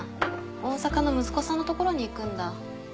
大阪の息子さんのところに行くんだ。